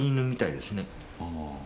ああ。